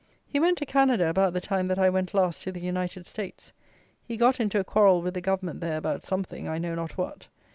He went to Canada about the time that I went last to the United States. He got into a quarrel with the Government there about something, I know not what.